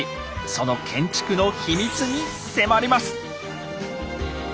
その建築の秘密に迫ります！